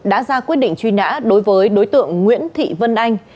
đã ra quyết định truy nã đối với đối tượng nguyễn thị vân anh